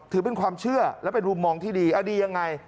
ถือเป็นความเชื่อและเป็นรูปมองที่ดีดีอย่างไร